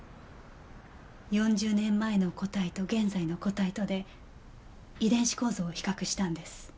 ４０年前の個体と現在の個体とで遺伝子構造を比較したんです。